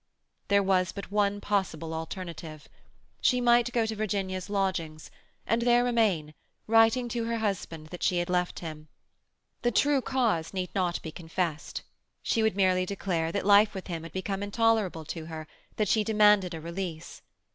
There was but one possible alternative. She might go to Virginia's lodgings, and there remain, writing to her husband that she had left him. The true cause need not be confessed. She would merely declare that life with him had become intolerable to her, that she demanded a release.